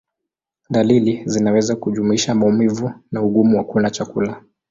Dalili zinaweza kujumuisha maumivu na ugumu wa kula chakula.